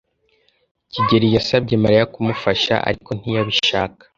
kigeli yasabye Mariya kumufasha, ariko ntiyabishaka.